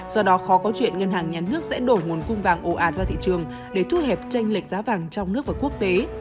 do đó khó có chuyện ngân hàng nhà nước sẽ đổi nguồn cung vàng ồ ạt ra thị trường để thu hẹp tranh lệch giá vàng trong nước và quốc tế